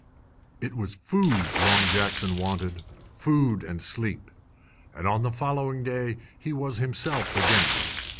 It was food Long Jackson wanted food and sleep. And on the following day he was himself again.